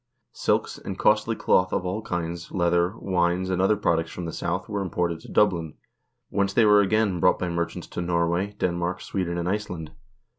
Silks, and costly cloth of all kinds, leather, wines, and other products from the South were imported to Dublin, whence they were again brought by merchants to Norway, Denmark, Sweden, and Iceland.